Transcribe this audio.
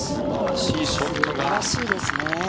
素晴らしいですね。